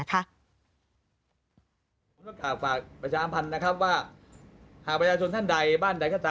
ขอบภาคประชาอำภัณฑ์นะครับว่าหากประชาชนท่านใดบ้านใดก็ตาม